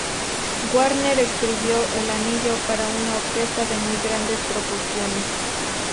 Wagner escribió el "Anillo" para una orquesta de muy grandes proporciones.